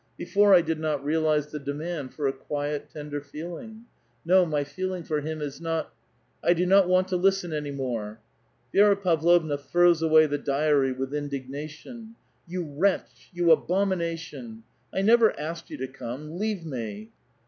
Before, I did not realize the demand for a quiet, tender feeling. No, my feeling for him isnot —'"" I do not want to listen any more !" Vi6ra Pavlovna throws away the diary with indignation :—" You wretch ! you abomination ! I never asked you to come ! Leave me